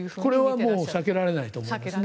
これはもう避けられないと思います。